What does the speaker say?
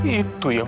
itu ya pak